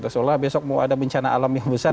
seolah besok mau ada bencana alam yang besar